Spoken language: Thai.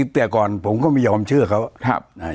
แต่ก่อนผมก็ไม่ยอมเชื่อเขา